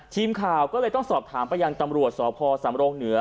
ทีมข่าวก็เลยต้องสอบถามไปยังตำรวจสพสำรงเหนือ